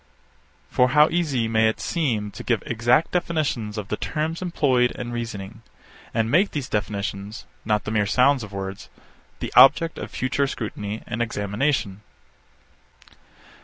For how easy may it seem to give exact definitions of the terms employed in reasoning, and make these definitions, not the mere sound of words, the object of future scrutiny and examination?